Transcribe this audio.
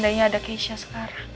seandainya ada keisha sekarang